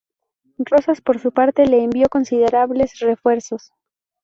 Rosas, por su parte, le envió considerables refuerzos.